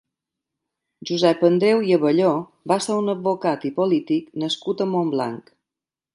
Josep Andreu i Abelló va ser un advocat i polític nascut a Montblanc.